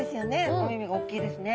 お目々が大きいですね。